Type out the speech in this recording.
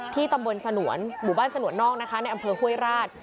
ตำบลสนวนหมู่บ้านสนวนนอกนะคะในอำเภอห้วยราช